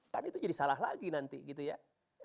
kan itu jadi salah lagi nanti gitu ya